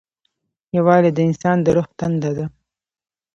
یووالی د انسان د روح تنده ده.